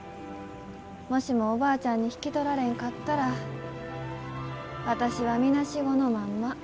もしもおばあちゃんに引き取られんかったら私はみなしごのまんま。